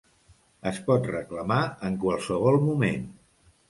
Es pot reclamar en qualsevol moment.